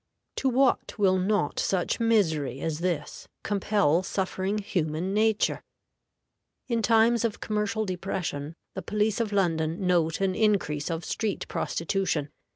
To what will not such misery as this compel suffering human nature? In times of commercial depression the police of London note an increase of street prostitution.